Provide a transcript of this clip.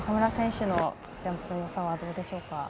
中村選手のジャンプのよさはどこでしょうか？